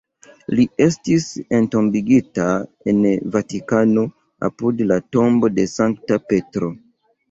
Li estis entombigita en Vatikano, apud la tombo de Sankta Petro.